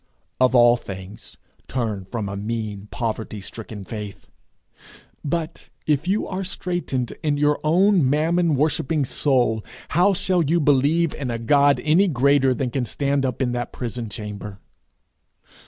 Of all things, turn from a mean, poverty stricken faith. But, if you ate straitened in your own mammon worshipping soul, how shall you believe in a God any greater than can stand up in that prison chamber?